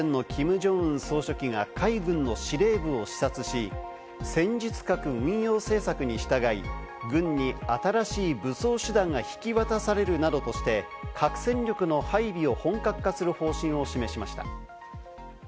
北朝鮮のキム・ジョンウン総書記が海軍の司令部を視察し、戦術核運用政策に従い、軍に新しい武装手段が引き渡されるなどとして、核戦力の配備を本格化する方針を示しました。